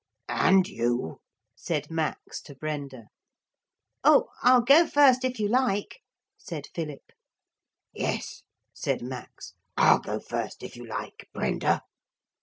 'And you,' said Max to Brenda. 'Oh, I'll go first if you like,' said Philip. 'Yes,' said Max, 'I'll go first if you like, Brenda.'